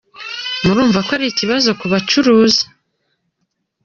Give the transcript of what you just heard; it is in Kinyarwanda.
Murumva ko ari ikibazo ku bacuruzi”.